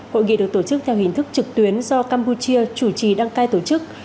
hội nghị được tổ chức theo hình thức trực tuyến do campuchia chủ trì đăng cai tổ chức